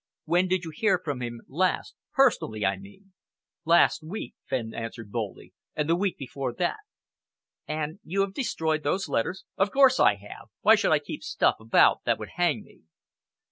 When did you hear from him last personally, I mean?" "Last week," Fenn answered boldly, "and the week before that." "And you have destroyed those letters?" "Of course I have! Why should I keep stuff about that would hang me?"